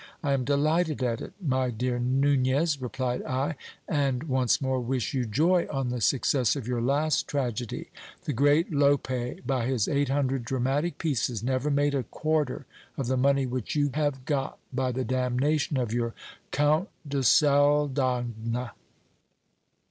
I am delighted at it, my dear Nunez, replied I, and once more wish you joy on the success of your last tragedy : the great Lope, by his eight hundred dramatic pieces, never made a quarter of the money which you have got by the damnation of your "Count de Saldagna."